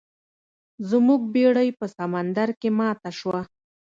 زموږ بیړۍ په سمندر کې ماته شوه.